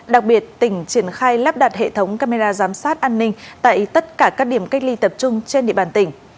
đặc biệt tỉnh triển khai lắp đặt hệ thống camera giám sát an ninh tại tất cả các điểm cách ly tập trung trên địa bàn tỉnh